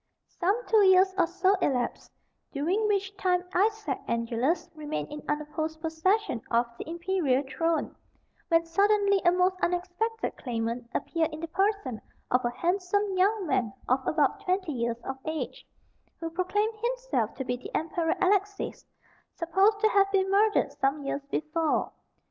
Some two years or so elapsed, during which time Isaac Angelus remained in unopposed possession of the imperial throne, when suddenly a most unexpected claimant appeared in the person of a handsome young man of about twenty years of age, who proclaimed himself to be the Emperor Alexis, supposed to have been murdered some years before.